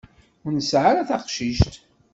Ur nesɛi ara taqcict.